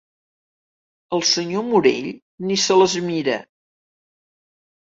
El senyor Morell ni se les mira.